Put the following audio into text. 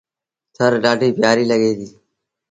ٿر ڏآڍيٚ پيٚآريٚ لڳي ديٚ۔